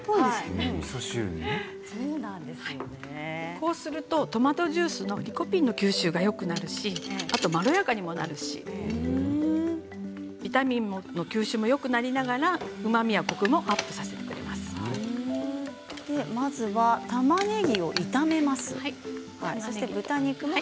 こうするとトマトジュースのリコピンの吸収がよくなるしあと、まろやかにもなるしビタミンの吸収もよくなりながらうまみやコクもまずはたまねぎを炒めます。